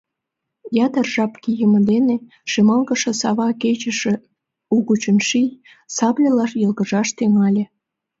Ятыр жап кийыме дене шемалгыше сава кечыше угычын ший сабльыла йылгыжаш тӱҥале.